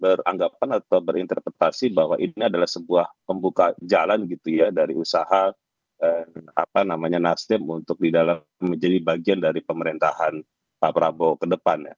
beranggapan atau berinterpretasi bahwa ini adalah sebuah pembuka jalan gitu ya dari usaha nasdem untuk di dalam menjadi bagian dari pemerintahan pak prabowo ke depan ya